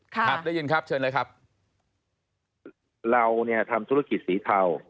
ครับได้ยินครับเชิญเลยครับเราเนี่ยทำธุรกิจสีเทา